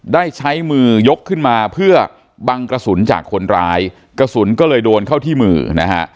ได้ใช้มือยกขึ้นมาเพื่อบังกระสุนจากคนร้ายกระสุนก็เลยโดนเข้าที่มือนะฮะ